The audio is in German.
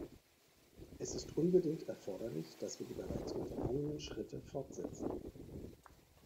Es ist unbedingt erforderlich, dass wir die bereits unternommenen Schritte fortsetzen.